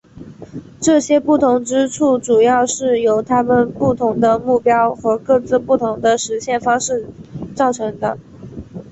这些不同之处主要是由他们不同的目标和各自不同的实现方式造成的。